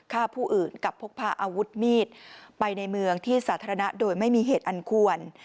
ฆ่าผู้อื่นกับพกพาอาวุธมีดไปในเมืองที่สาธารณะโดยไม่มีเหตุอันควร